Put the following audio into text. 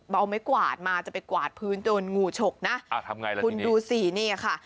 เอาไหมกวาดมาจะไปกวาดพื้นโดนงูฉกนะอ่าทำง่ายแล้วทีนี้คุณดูสินี่ค่ะ